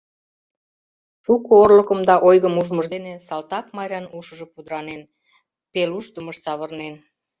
Шуко орлыкым да ойгым ужмыж дене Салтак Майран ушыжо пудыранен, пелушдымыш савырнен.